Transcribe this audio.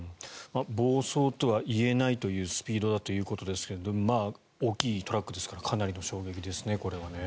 暴走とは言えないというスピードだということですが大きいトラックですからかなりの衝撃ですねこれは。